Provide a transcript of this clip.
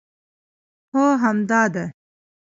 هو همدا ده